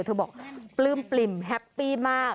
เธอบอกปลื้มแฮปปี้มาก